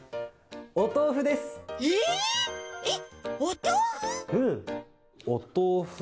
えっ？